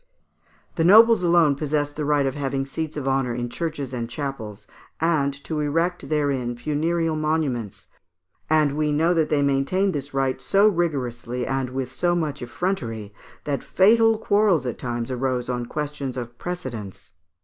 The nobles alone possessed the right of having seats of honour in churches and in chapels (Fig. 28), and to erect therein funereal monuments, and we know that they maintained this right so rigorously and with so much effrontery, that fatal quarrels at times arose on questions of precedence.